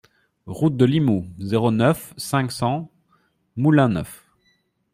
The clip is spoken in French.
Route de Limoux, zéro neuf, cinq cents Moulin-Neuf